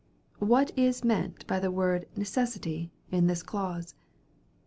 What is meant by the word 'necessity' in this clause?